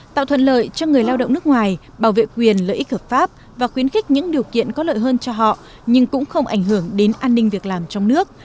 tạo thuận lợi cho người lao động nước ngoài bảo vệ quyền lợi ích hợp pháp và khuyến khích những điều kiện có lợi hơn cho họ nhưng cũng không ảnh hưởng đến an ninh việc làm trong nước